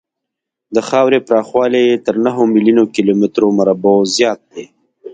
د خاورې پراخوالی یې تر نهو میلیونو کیلومترو مربعو زیات دی.